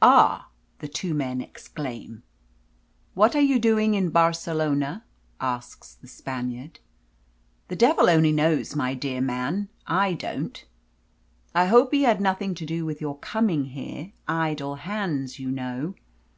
"Ah!" the two men exclaim. "What are you doing in Barcelona?" asks the Spaniard. "The devil only knows, my dear man. I don't." "I hope he had nothing to do with your coming here idle hands, you know."